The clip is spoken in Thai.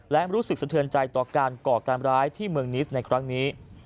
และรู้สึกสะเทือนใจต่อการก่อการร้ายที่เมืองนิสในครั้งนี้